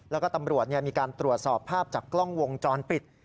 แล้วก็ตำรวจมีการตรวจสอบภาพจากกล้องวงจรปิด